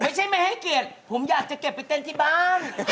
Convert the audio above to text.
ไม่ใช่ไม่ให้เกียรติผมอยากจะเก็บไปเต้นที่บ้าน